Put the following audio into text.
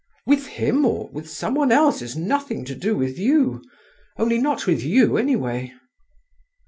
"With him or with some one else is nothing to do with you. Only not with you, anyway."